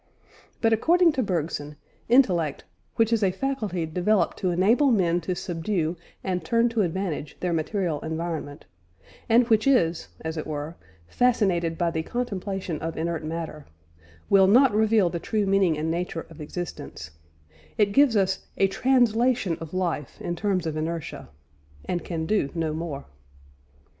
But according to Bergson, intellect, which is a faculty developed to enable men to subdue and turn to advantage their material environment, and which is, as it were, "fascinated by the contemplation of inert matter," will not reveal the true meaning and nature of existence; it gives us "a translation of life in terms of inertia," and can do no more.